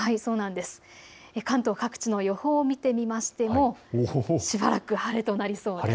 関東各地の予報を見てみましてもしばらく晴れとなりそうです。